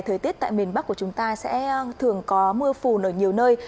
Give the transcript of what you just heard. thời tiết tại miền bắc của chúng ta sẽ thường có mưa phùn ở nhiều nơi